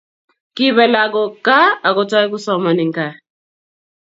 Kipa lakok gaa akotoi kusoman eng gaaa